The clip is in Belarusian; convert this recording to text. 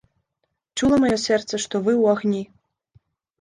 Чула маё сэрца, што вы ў агні.